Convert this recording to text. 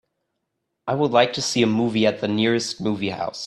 I would like to see a movie at the nearest movie house.